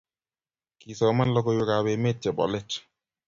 Kasoman logoiwek ab emet chepo let